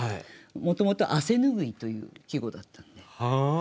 もともと「汗拭い」という季語だったので。